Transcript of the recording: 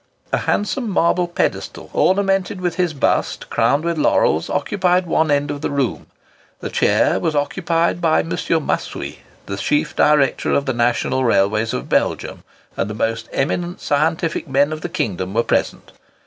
A handsome marble pedestal, ornamented with his bust crowned with laurels, occupied one end of the room. The chair was occupied by M. Massui, the Chief Director of the National Railways of Belgium; and the most eminent scientific men of the kingdom were present.